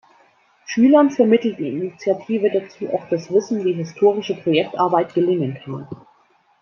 Schülern vermittelt die Initiative dazu auch das Wissen, wie historische Projektarbeit gelingen kann.